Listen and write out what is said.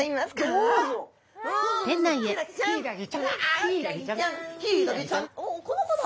おこの子だ！